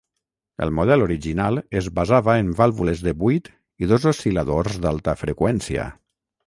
El model original es basava en vàlvules de buit i dos oscil·ladors d'alta freqüència.